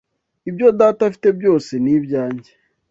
Ibyo Data afite byose ni ibyanjye: